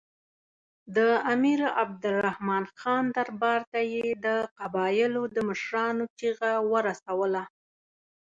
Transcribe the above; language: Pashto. د امیر عبدالرحمن خان دربار ته یې د قبایلو د مشرانو چیغه ورسوله.